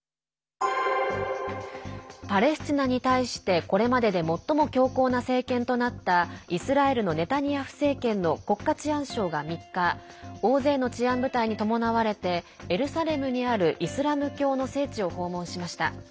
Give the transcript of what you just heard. パレスチナに対してこれまでで最も強硬な政権となったイスラエルのネタニヤフ政権の国家治安相が３日大勢の治安部隊に伴われてエルサレムにあるイスラム教の聖地を訪問しました。